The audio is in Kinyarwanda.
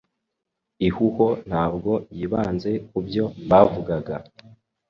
Ihuho ntabwo yibanze kubyo bavugaga